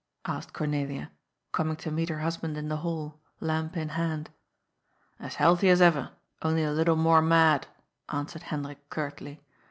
asked Cornelia, coming to meet her hus band in the hall, lamp in hand. " As healthy as ever, only a little more mad," answered Hendrik curtly.